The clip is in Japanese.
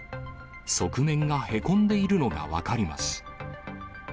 側面がへこんでいるのが分かります。